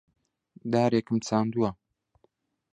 دارێکم چاندووە.